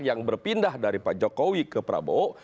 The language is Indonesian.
yang berpindah dari pak jokowi ke prabowo